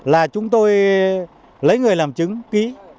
là chúng tôi lấy người làm chứng ký